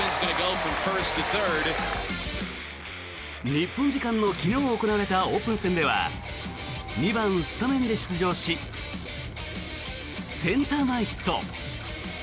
日本時間の昨日行われたオープン戦では２番スタメンで出場しセンター前ヒット。